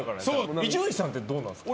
伊集院さんってどうなんですか？